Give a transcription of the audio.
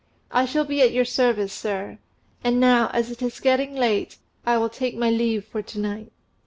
"I shall be at your service, sir. And now, as it is getting late, I will take my leave for to night."